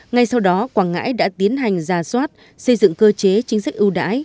ngay sau đó quảng ngãi đã tiến hành ra soát xây dựng cơ chế chính sách ưu đãi